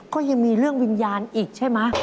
ก็ยังมีเรื่องวิญญาณอีกใช่ไหม